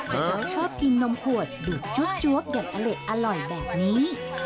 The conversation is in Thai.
แต่น้องชอบกินนมขวดดูดจวบอย่างอเล็ดอร่อยแบบนี้